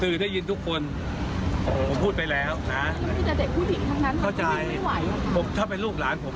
สื่อได้ยินทุกคนโหพูดไปแล้วน่ะเข้าใจผมถ้าเป็นลูกหลานผม